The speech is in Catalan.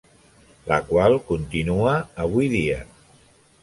La qual continua avui dia.